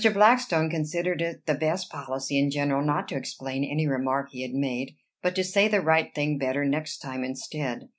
Blackstone considered it the best policy in general not to explain any remark he had made, but to say the right thing better next time instead.